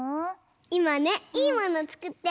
いまねいいものつくってるの。